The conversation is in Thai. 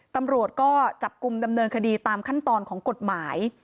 ตำรวจก็จับกลุ่มดำเนินคดีตามขั้นตอนของกฎหมาย